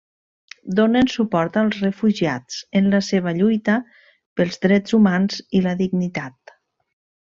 Donen suport als refugiats en la seva lluita pels drets humans i la dignitat.